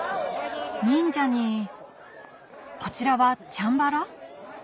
忍者にこちらはチャンバラ？